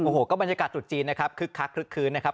โอ้โหก็บรรยากาศตรุษจีนนะครับคึกคักคลึกคืนนะครับ